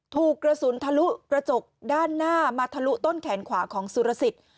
ถูกกระสุนทะลุกระจกด้านหน้ามาทะลุต้นแขนขวาของสุรสิทธิ์